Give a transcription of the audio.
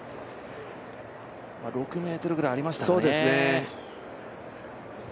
６ｍぐらいありましたかね。